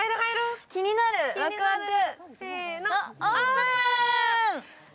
気になる、ワクワク！